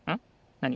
なに？